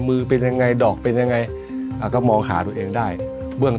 มือเป็นยังไงดอกเป็นยังไงอ่าก็มองหาตัวเองได้เบื้อง